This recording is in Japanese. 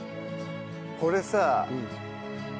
これさ。